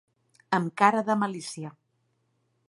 Amb cara de malícia.